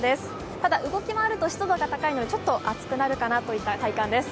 ただ、動き回ると湿度が高いのでちょっと暑くなるかなという体感です。